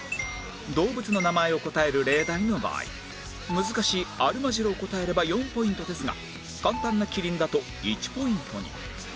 動物の名前を答える例題の場合難しいアルマジロを答えれば４ポイントですが簡単なキリンだと１ポイントに